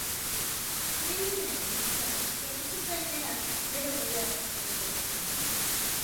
Krimena egin ostean erasotzaileak bere buruaz beste egin du.